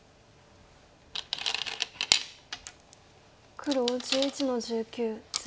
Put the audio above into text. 黒１１の十九ツギ。